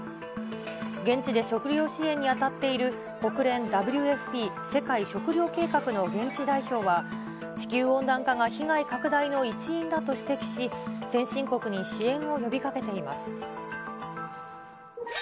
現地で食料支援に当たっている国連ＷＦＰ・世界食糧計画の現地代表は、地球温暖化が被害拡大の一因だと指摘し、先進国に支援を呼びかけています。